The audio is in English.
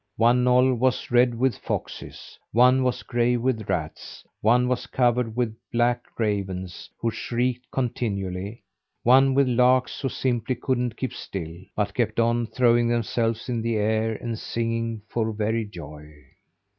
One knoll was red with foxes, one was gray with rats; one was covered with black ravens who shrieked continually, one with larks who simply couldn't keep still, but kept on throwing themselves in the air and singing for very joy.